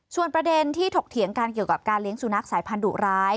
ส่วนประเด็นที่ถกเถียงกันเกี่ยวกับการเลี้ยงสุนัขสายพันธุร้าย